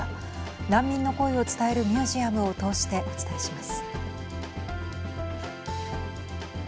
難民の声を伝えるミュージアムを通してお伝えします。